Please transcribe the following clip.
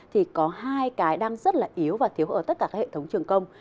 thì có hai cái đang rất là yếu và thiếu ở tất cả các hệ thống trường công